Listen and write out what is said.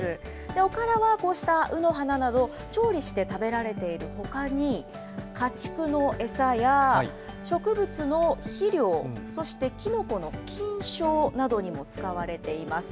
おからは、こうしたうの花など、調理して食べられているほかに、家畜の餌や、植物の肥料、そしてキノコの菌床などにも使われています。